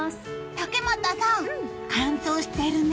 竹俣さん、乾燥しているね。